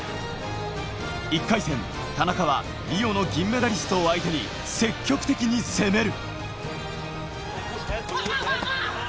１回戦、田中はリオの銀メダリスト相手に積極的に攻める。